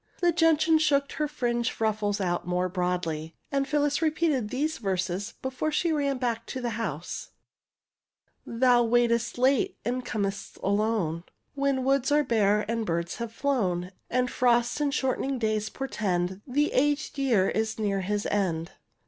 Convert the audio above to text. '' The gentian shook her fringed ruffles out more broadly, and Phyllis repeated these verses before she ran back to the house; ''' Thou waitest late, and com'st alone, When woods are bare and birds are flown. And frost and shortening days portend The aged year is near his end.